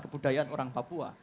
kebudayaan orang papua